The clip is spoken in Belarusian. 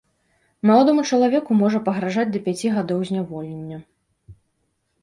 Маладому чалавеку можа пагражаць да пяці гадоў зняволення.